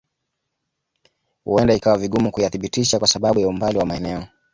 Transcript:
Huenda ikawa vigumu kuyathibitisha kwa sababu ya umbali wa maeneo